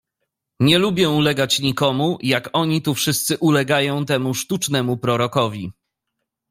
"Nie lubię ulegać nikomu, jak oni tu wszyscy ulegają temu sztucznemu Prorokowi."